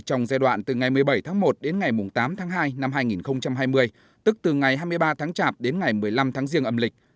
trong giai đoạn từ ngày một mươi bảy tháng một đến ngày tám tháng hai năm hai nghìn hai mươi tức từ ngày hai mươi ba tháng chạp đến ngày một mươi năm tháng riêng âm lịch